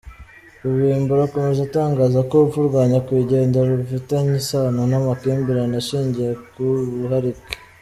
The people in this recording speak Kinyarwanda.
Rubimbura akomeza atangaza ko urupfu rwa nyakwigendera rufitanye isano n’amakimbirane ashingiye ku buharike.